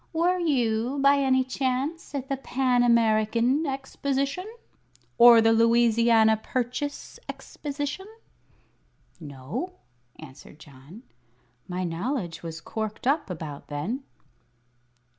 "Were you, by any chance, at the Pan American Exposition? Or the Louisiana Purchase Exposition?" "No," answered John. "My knowledge was corked up about then."